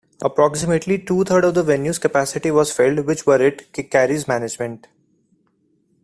Approximately two-thirds of the venue's capacity was filled, which worried Carey's management.